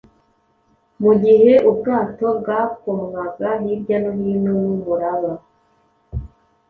mu gihe ubwato bwakomwaga hirya no hino n’umuraba.